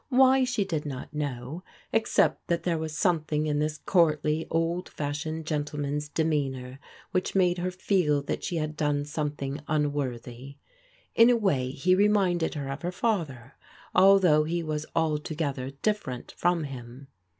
Why, she did not know, except that there was something in this courtly, old fashioned gentleman's demeanour which made her feel that she had done something unworthy. In a way he reminded her of her father, although he was altogether different from him.